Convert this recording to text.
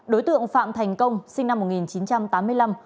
đối tượng phạm thành công sinh năm một nghìn chín trăm tám mươi năm